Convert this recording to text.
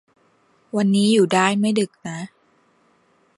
วันนี้อยู่ได้ไม่ดึกนะ